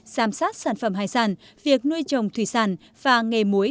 giám sát sản phẩm hải sản việc nuôi trồng thủy sản và nghề muối